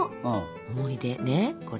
思い出ねこれ。